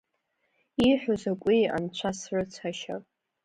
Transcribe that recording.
Ииҳәо закәи, Анцәа, срыцҳашьа!